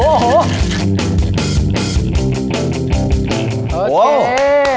โอเค